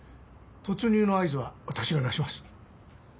突入の合図は私が出します。